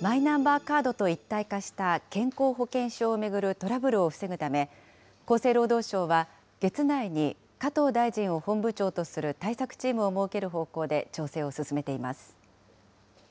マイナンバーカードと一体化した健康保険証を巡るトラブルを防ぐため、厚生労働省は、月内に加藤大臣を本部長とする対策チームを設ける方向で調整を進めています。